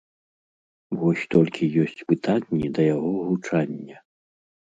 Вось толькі ёсць пытанні да яго гучання.